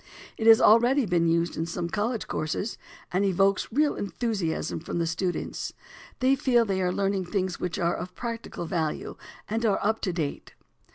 It has already been used in some college courses, and evokes real enthusiasm from the students. They feel they are learning things which are of practical value and are up to date.